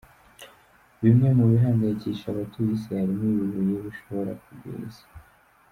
Bimwe mu bihangayikije abatuye isi harimo ibibuye bishobora kugwira isi.